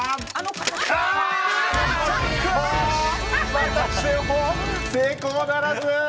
またしても成功ならず！